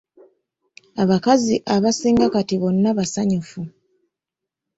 Abakazi abasinga kati bonna basanyufu.